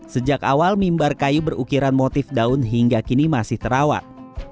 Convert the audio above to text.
sejak awal mimbar kayu berukiran motif daun hingga kini masih terawat